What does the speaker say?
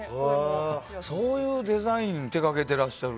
そういうデザインを手がけてらっしゃる。